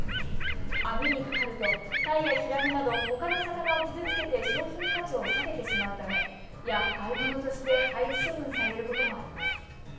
網にかかるとタイやヒラメなどほかの魚を傷つけて商品価値を下げてしまうためやっかいものとして廃棄処分されることもあります。